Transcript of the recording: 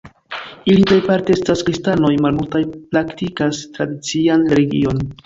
Ili plejparte estas kristanoj, malmultaj praktikas tradician religion.